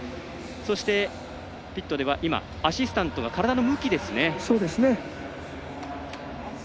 そして、ピットではアシスタントが体の向きですね。